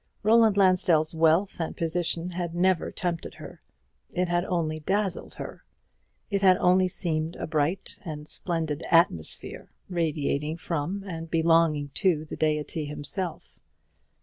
Roland Lansdell's wealth and position had never tempted her; it had only dazzled her; it had only seemed a bright and splendid atmosphere radiating from and belonging to the Deity himself.